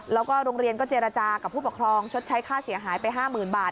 แล้วก็โรงเรียนก็เจรจากับผู้ปกครองชดใช้ค่าเสียหายไป๕๐๐๐บาท